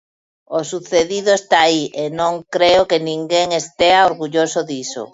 O sucedido está aí, e non creo que ninguén estea orgulloso diso.